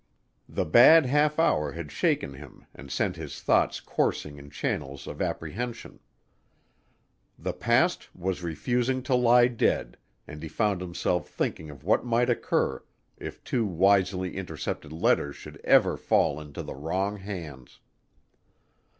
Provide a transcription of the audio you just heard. The bad half hour had shaken him and sent his thoughts coursing in channels of apprehension. The past was refusing to lie dead and he found himself thinking of what might occur if two wisely intercepted letters should ever fall into the wrong hands.